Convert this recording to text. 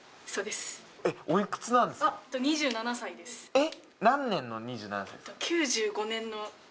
えっ？